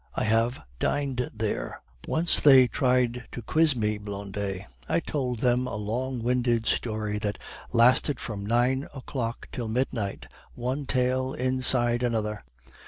I have dined there. "Once they tried to quiz me, Blondet. I told them a long winded story that lasted from nine o'clock till midnight, one tale inside another.